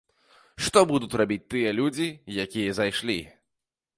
Што будуць рабіць тыя людзі, якія зайшлі?